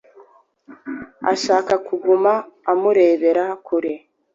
Ashaka kumuguma amurebera kure.